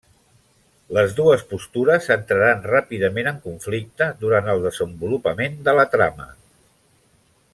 Les dues postures entraran ràpidament en conflicte durant el desenvolupament de la trama.